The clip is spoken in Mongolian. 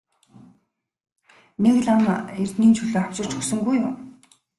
Нэг лам эрдэнийн чулуу авчирч өгсөнгүй юу?